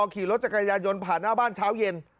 ขี่รถจักรยายนผ่านหน้าบ้านเช้าเย็น